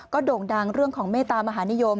โด่งดังเรื่องของเมตามหานิยม